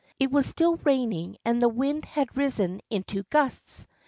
It was still raining and the wind had risen into gusts.